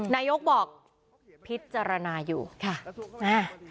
นายกบอกพิจารณาอยู่ค่ะอ่า